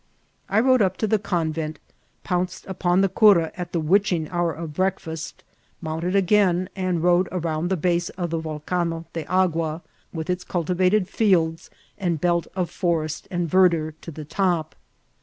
I rode up to the convent, pounced upon the cura at the witching hour of break fast, mounted again, and rode around the base of the Volcano de Agua, with its cultivated fields and belt of forest and verdure to the top.